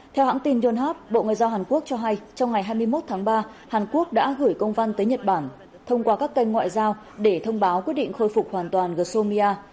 theo hãng tin yonhap bộ ngoại giao hàn quốc cho hay trong ngày hai mươi một tháng ba hàn quốc đã gửi công văn tới nhật bản thông qua các kênh ngoại giao để thông báo quyết định khôi phục hoàn toàn ghomia